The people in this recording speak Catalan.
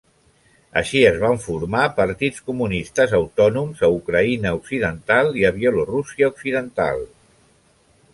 Així es van formar partits comunistes autònoms a Ucraïna occidental i a Bielorússia occidental.